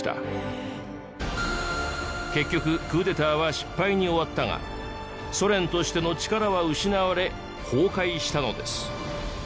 結局クーデターは失敗に終わったがソ連としての力は失われ崩壊したのです。